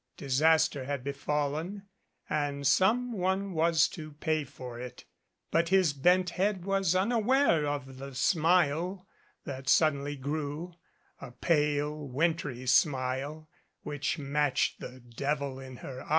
Disaster had befallen and some one was to pay for it; but his bent head was unaware of the smile that suddenly grew, a pale wintry smile which matched the devil in her eyes.